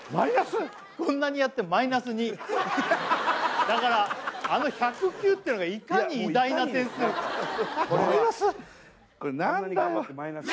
こんなにやってマイナス２だからあの１０９ってのがいかに偉大な点数マイナス？